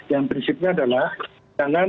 yang prinsipnya adalah jangan